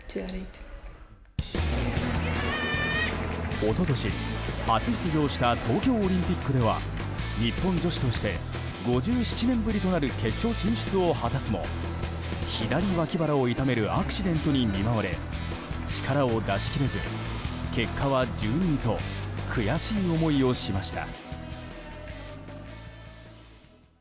一昨年、初出場した東京オリンピックでは日本女子として５７年ぶりとなる決勝進出を果たすも左わき腹を痛めるアクシデントに見舞われ力を出し切れず、結果は１２位と悔しい思いをしました。